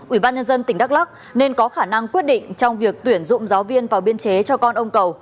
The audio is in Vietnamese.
ủy ban nhân dân tỉnh đắk lắc nên có khả năng quyết định trong việc tuyển dụng giáo viên vào biên chế cho con ông cầu